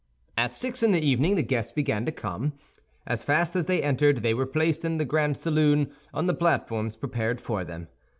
At six in the evening the guests began to come. As fast as they entered, they were placed in the grand saloon, on the platforms prepared for them.